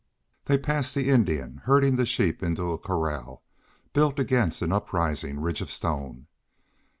They passed the Indian herding the sheep into a corral built against an uprising ridge of stone.